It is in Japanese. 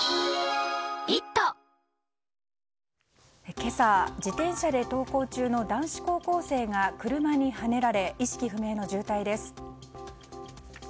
今朝、自転車で登校中の男子高校生が車にはねられ意識不明の重体です。